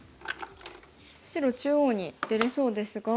白中央に出れそうですが。